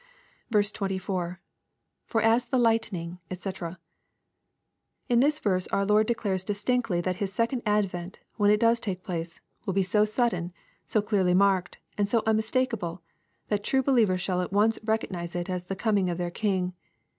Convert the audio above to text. r LUKE, CHAP. XVn. 243 24. — [Ibr 08 the lightning ^ <fcc.] In this verse our Lord declares distinctly that His second advent, when it does take place, will be so sudden, so clearly marked, and so nnmistakeable, that true believers shall at once recognize it as the coming of their King.